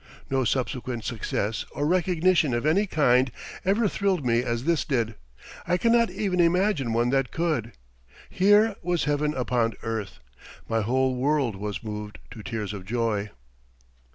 No subsequent success, or recognition of any kind, ever thrilled me as this did. I cannot even imagine one that could. Here was heaven upon earth. My whole world was moved to tears of joy.